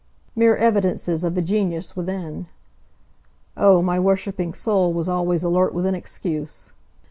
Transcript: Mere evidences of the genius within. Oh, my worshiping soul was always alert with an excuse.